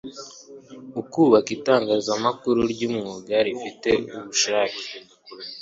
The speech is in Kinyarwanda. ukubaka itangazamakuru ry'umwuga rifite ubushake